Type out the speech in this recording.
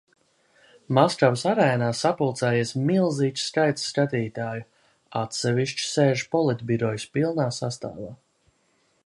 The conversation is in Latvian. Maskavas arēnā sapulcējies milzīgs skaits skatītāju, atsevišķi sēž politbirojs pilnā sastāvā.